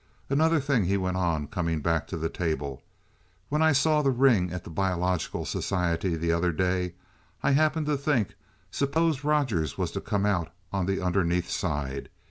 "And another thing," he went on, coming back to the table. "When I saw the ring at the Biological Society the other day, I happened to think, suppose Rogers was to come out on the underneath side?